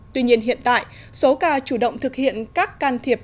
tuy nhiên hiện tại số ca chủ động thực hiện các can thiệp